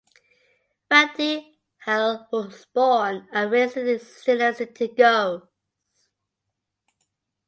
Van den Hil was born and raised in the Zeeland city Goes.